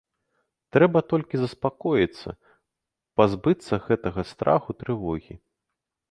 Трэба толькі заспакоіцца, пазбыцца гэтага страху, трывогі.